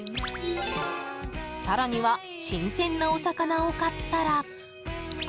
更には、新鮮なお魚を買ったら。